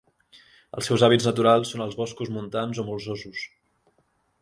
Els seus hàbitats naturals són els boscos montans o molsosos.